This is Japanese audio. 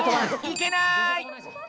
いけない！